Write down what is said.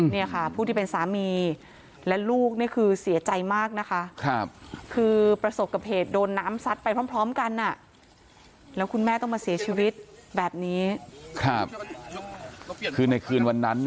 นี่ค่ะผู้ที่เป็นสามีและลูกคือเสียใจมากนะคะ